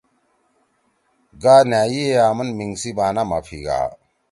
گا نھاڙیئے امن میِنگ سی بانا ما پھیگا